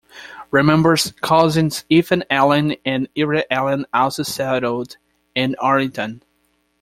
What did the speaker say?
Remember's cousins Ethan Allen and Ira Allen also settled in Arlington.